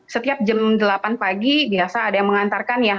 setiap jam delapan pagi biasa ada yang mengantarkan ya